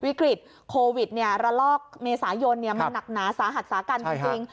วิกฤตโควิดระลอกเมษายนมันหนักหนาสาหัสสากันจริง